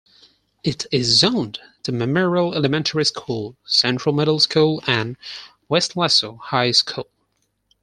It is zoned to Memorial Elementary School, Central Middle School, and Weslaco High School.